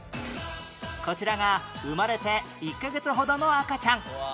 こちらが生まれて１カ月ほどの赤ちゃん